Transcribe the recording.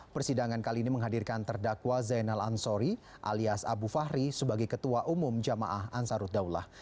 persidangan kali ini menghadirkan terdakwa zainal ansori alias abu fahri sebagai ketua umum jamaah ansarut daulah